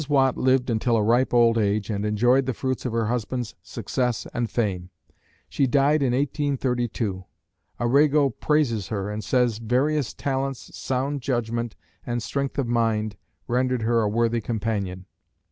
Watt lived until a ripe old age and enjoyed the fruits of her husband's success and fame. She died in 1832. Arago praises her, and says "Various talents, sound judgment, and strength of mind rendered her a worthy companion."